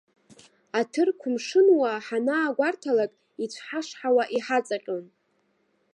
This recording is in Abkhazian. Аҭырқә мшынуаа ҳанаагәарҭалак, ицәҳашҳауа иҳаҵаҟьон.